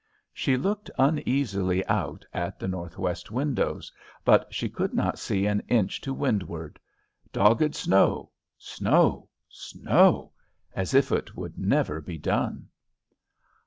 She looked uneasily out at the northwest windows, but she could not see an inch to windward: dogged snow snow snow as if it would never be done.